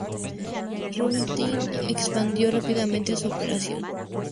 Rubinstein expandió rápidamente su operación.